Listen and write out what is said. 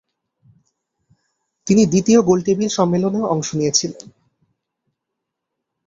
তিনি দ্বিতীয় গোলটেবিল সম্মেলনেও অংশ নিয়েছিলেন।